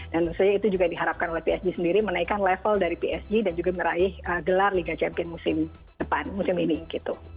dan itu juga diharapkan oleh psg sendiri menaikkan level dari psg dan juga meraih gelar liga champion musim depan musim ini gitu